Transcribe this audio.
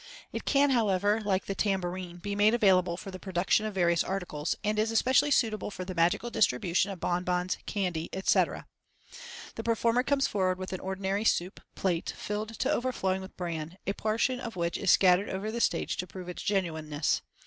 It can, how, ever, like the tambourine, be made available for the production of various articles, and is especially suitable for the magical distribution of bonbons, candy, etc. The performer comes forward with an ordinary soup, plate filled to overflowing with bran, a portion of which is scattered over the stage to prove its genuineness.